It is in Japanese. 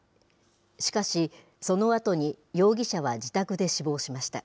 しかし、そのあとに容疑者は自宅で死亡しました。